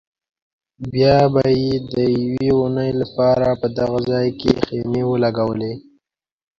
بیا به یې د یوې اونۍ لپاره په دغه ځای کې خیمې ولګولې.